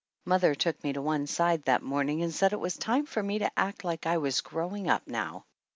Mother took me to one side that morning and said it was time for me to act like I was growing up now.